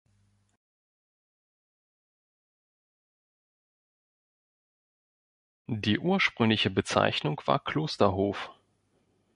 Die ursprüngliche Bezeichnung war Klosterhof.